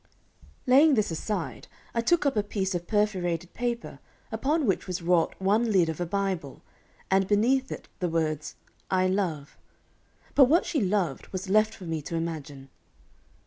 Laying this aside, I took up a piece of perforated paper, upon which was wrought one lid of a Bible, and beneath it the words, "I love" but what she loved was left for me to imagine.